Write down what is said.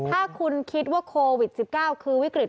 ถ้าคุณคิดว่าโควิด๑๙คือวิกฤต